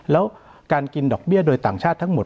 แล้วการกินดอกเบี้ยโดยต่างชาติทั้งหมด